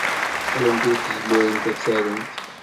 Teqqlemt ur tezmiremt ad tarumt.